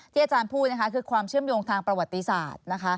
ที่อาจารย์พูดคือความเชื่อมโยงทางประวัติศาสตร์